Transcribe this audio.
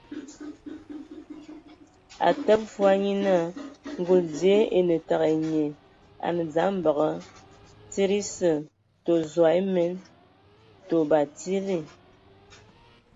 A təbə fɔɔ, nye naa ngul dzie e ne tego ai nnyie, a nǝ dzam bagǝ tsid ese, tɔ zog emen. Ndɔ batsidi.